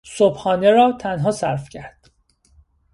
صبحانه را تنها صرف کرد.